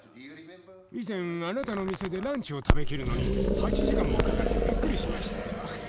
以前あなたの店でランチを食べきるのに８時間もかかってびっくりしましたよ。